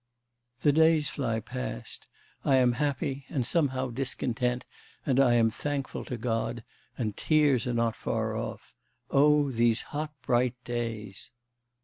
'... The days fly past.... I am happy, and somehow discontent and I am thankful to God, and tears are not far off. Oh these hot bright days!